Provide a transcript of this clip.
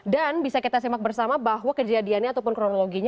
dan bisa kita semak bersama bahwa kejadiannya ataupun kronologisnya